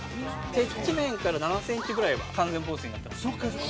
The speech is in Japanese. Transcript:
◆接地面から７センチぐらいは完全防水になってます。